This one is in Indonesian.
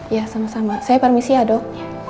ya sama sama saya permisi ya dok